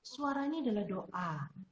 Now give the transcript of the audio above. suaranya adalah doa